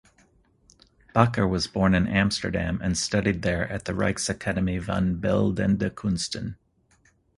Bakker was born in Amsterdam and studied there at the Rijksakademie van beeldende kunsten.